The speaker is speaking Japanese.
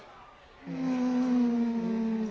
うん。